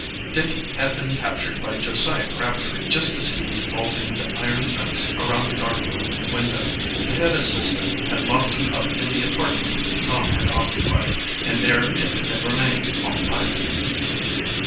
Dick had been captured by Josiah Crabtree just as he was vaulting the iron fence around the guardroom window. The head assistant had locked him up in the apartment Tom had occupied, and there Dick had remained all night.